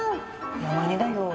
山根だよ。